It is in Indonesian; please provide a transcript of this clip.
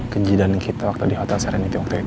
kenjidan kita waktu di hotel serenity waktu itu